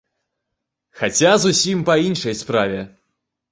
Хаця зусім па іншай справе.